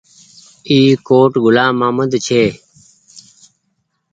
اي ڪوٽ گلآم مهمد ڇي۔